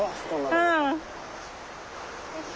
うん。